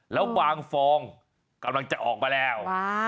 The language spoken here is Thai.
แล้วบางฟองกำลังจะออกมาแล้ว